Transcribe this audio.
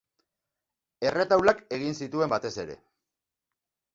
Erretaulak egin zituen batez ere.